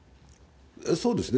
そうですね。